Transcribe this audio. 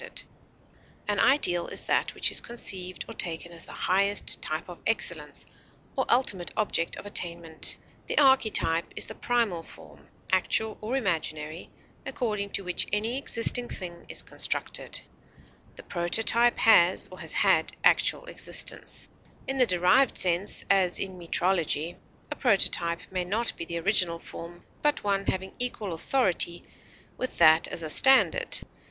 idea, original, An ideal is that which is conceived or taken as the highest type of excellence or ultimate object of attainment. The archetype is the primal form, actual or imaginary, according to which any existing thing is constructed; the prototype has or has had actual existence; in the derived sense, as in metrology, a prototype may not be the original form, but one having equal authority with that as a standard.